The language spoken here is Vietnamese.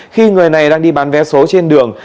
khi người này đang đi bán vé số trên đường